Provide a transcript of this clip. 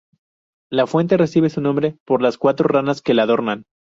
La fuente recibe su nombre por las cuatro ranas que la adornan.